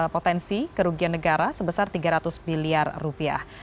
potensi kerugian negara sebesar tiga ratus miliar rupiah